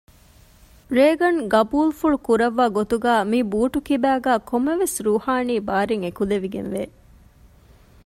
ރޭގަން ޤަބޫލު ފުޅު ކުރައްވާ ގޮތުގައި މި ބޫޓު ކިބައިގައި ކޮންމެވެސް ރޫޙާނީ ބާރެއް އެކުލެވިގެން ވެ